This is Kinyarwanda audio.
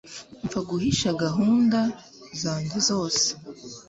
mfa guhisha gahunda zanjye zose